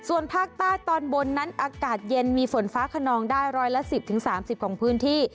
ส่วนภาคใต้ตอนบนนั้นอากาศเย็นมีฝนฟ้าขนองได้ร้อยละ๑๐๓๐ของพื้นที่